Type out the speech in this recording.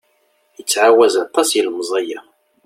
Ittɛawaz aṭas yilemẓi-a.